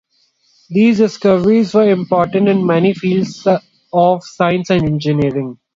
These discoveries were important in many fields of science and engineering.